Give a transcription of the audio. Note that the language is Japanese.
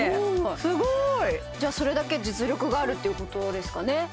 すごいじゃあそれだけ実力があるっていうことですかね